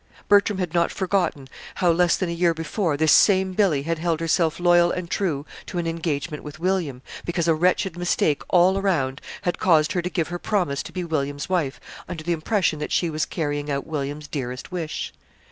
Bertram had not forgotten how, less than a year before, this same Billy had held herself loyal and true to an engagement with William, because a wretched mistake all around had caused her to give her promise to be William's wife under the impression that she was carrying out William's dearest wish.